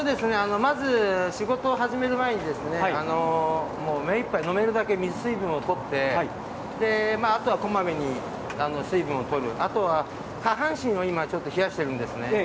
まず仕事を始める前に目いっぱい飲めるだけ水分を取ってあとは、こまめに水分をとる、あとは、下半身を今、冷やしているんですね。